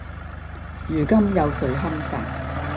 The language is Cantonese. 如今有誰堪摘﹖